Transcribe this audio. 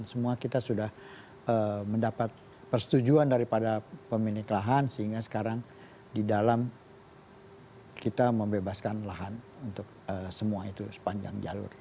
semua kita sudah mendapat persetujuan daripada pemilik lahan sehingga sekarang di dalam kita membebaskan lahan untuk semua itu sepanjang jalur